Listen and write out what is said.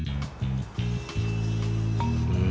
うん。